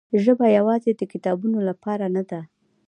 ژبه یوازې د کتابونو لپاره نه ده.